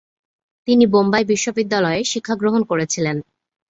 তিনি বোম্বাই বিশ্ববিদ্যালয়ে শিক্ষাগ্রহণ করেছিলেন।